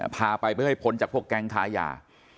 พาไปเพื่อให้พ้นจากพวกแก๊งค้ายา